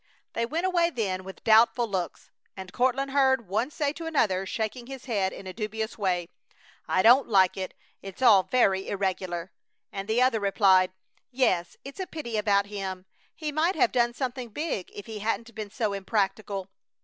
They went away then with doubtful looks, and Courtland heard one say to another, shaking his head in a dubious way: "I don't like it. It's all very irregular!" And the other replied: "Yes! It's a pity about him! He might have done something big if he hadn't been so impractical!"